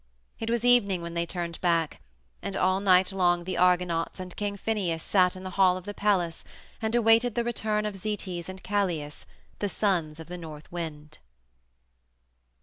It was evening when they turned back, and all night long the Argonauts and King Phineus sat in the hall of the palace and awaited the return of Zetes and Calais, the sons of the North Wind.